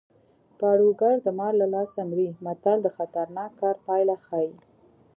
پاړوګر د مار له لاسه مري متل د خطرناک کار پایله ښيي